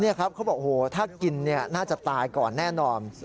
นี่ครับเขาบอกโอ้โหถ้ากินน่าจะตายก่อนแน่นอน